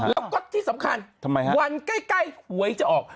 แล้วก็ที่สำคัญวันใกล้หวยจะออก